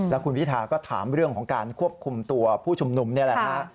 แล้วคุณพิธาก็ถามเรื่องของการควบคุมตัวผู้ชุมนุมนี่แหละฮะ